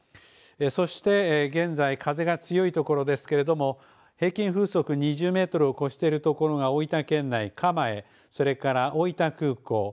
そして、現在風が強いところですけども、平均風速２０メートルを超しているところが、大分県内、蒲江、それから大分空港。